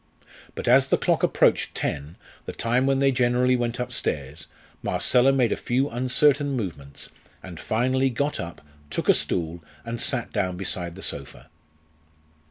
But as the clock approached ten, the time when they generally went upstairs, Marcella made a few uncertain movements, and finally got up, took a stool, and sat down beside the sofa.